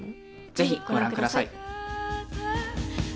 ぜひご覧下さい。